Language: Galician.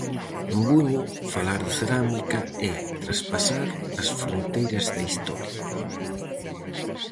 En Buño falar de cerámica é traspasar as fronteiras da Historia.